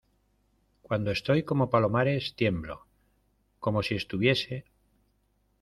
cuando estoy como Palomares, tiemblo ; como si estuviese